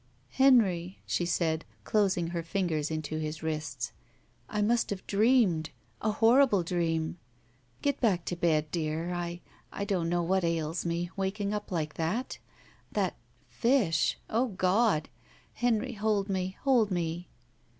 "Henry," she said, closing her fingers into his wrists, "I must have dreamed — b, horrible dream. Get back to bed, dear. I — I don't know what ails me, waking up like that. That — ^fishl O God! Henry, hold me, hold me."